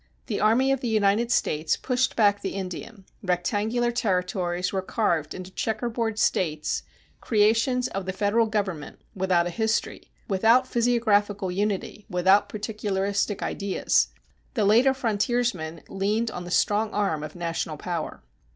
The army of the United States pushed back the Indian, rectangular Territories were carved into checkerboard States, creations of the federal government, without a history, without physiographical unity, without particularistic ideas. The later frontiersman leaned on the strong arm of national power.